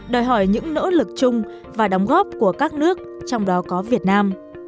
đòi hỏi những nỗ lực chung và đóng góp của các nước trong đó có việt nam